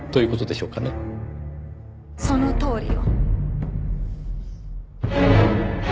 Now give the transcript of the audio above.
そのとおりよ。